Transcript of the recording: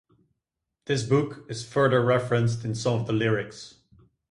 This book is further referenced in some of the lyrics.